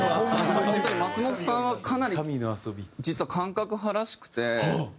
本当に松本さんはかなり実は感覚派らしくて。